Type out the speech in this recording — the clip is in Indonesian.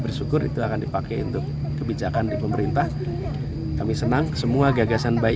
bersyukur itu akan dipakai untuk kebijakan di pemerintah kami senang semua gagasan baik